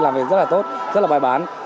làm việc rất là tốt rất là bài bán